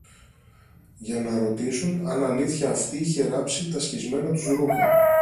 για να ρωτήσουν αν αλήθεια αυτή είχε ράψει τα σχισμένα τους ρούχα